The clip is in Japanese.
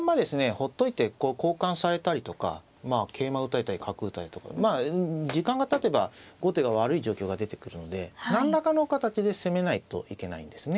ほっといてこう交換されたりとかまあ桂馬打たれたり角打たれるとかまあ時間がたてば後手が悪い状況が出てくるので何らかの形で攻めないといけないんですね。